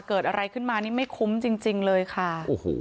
เกิดอะไรขึ้นมานี่ไม่คุ้มจริงเลยค่ะ